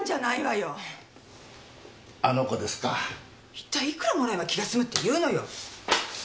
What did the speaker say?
一体いくらもらえば気が済むっていうのよ。